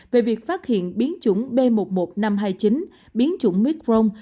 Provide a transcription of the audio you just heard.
về việc phát hiện biến chủng b một một năm trăm hai mươi chín biến chủng omicron